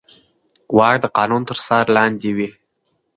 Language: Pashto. واک د قانون تر څار لاندې وي.